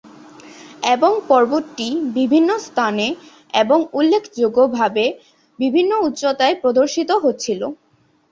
এবং পর্বতটি বিভিন্ন স্থানে এবং উল্লেখযোগ্যভাবে বিভিন্ন উচ্চতায় প্রদর্শিত হচ্ছিল।